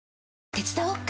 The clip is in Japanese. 手伝おっか？